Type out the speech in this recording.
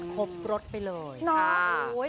ครบรสไปเลยค่ะน้อง